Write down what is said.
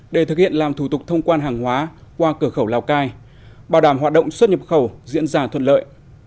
để thực hiện làm thủ tục thông quan hàng hóa qua cửa khẩu lào cai bảo đảm hoạt động xuất nhập khẩu diễn ra thuận lợi